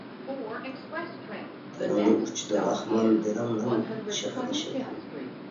تىلىڭنىڭ ئۇچىدا راخمان دىلىڭنىڭ شېخىدا شەيتان.